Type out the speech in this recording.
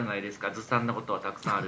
ずさんなことはたくさんある。